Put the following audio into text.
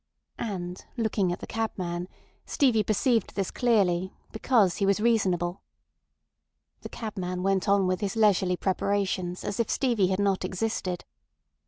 And looking at the cabman, Stevie perceived this clearly, because he was reasonable. The cabman went on with his leisurely preparations as if Stevie had not existed.